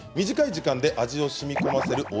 短い時間で味をしみこませる